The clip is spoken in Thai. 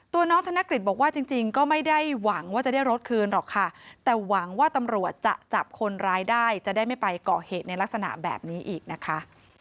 น้องธนกฤษบอกว่าจริงก็ไม่ได้หวังว่าจะได้รถคืนหรอกค่ะแต่หวังว่าตำรวจจะจับคนร้ายได้จะได้ไม่ไปก่อเหตุในลักษณะแบบนี้อีกนะคะ